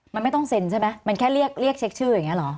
มันไม่ต้องเซ็นใช่ไหมมันแค่เรียกเช็คชื่ออย่างนี้เหรอ